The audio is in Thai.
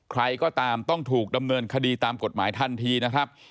ใครก็ตามต้องถูกดำเนินคดีตามกฎหมายทันทีนะครับ